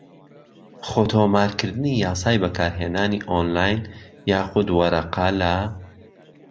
خۆتۆمارکردنی یاسای بەکارهێنانی ئۆنلاین یاخود وەرەقە لە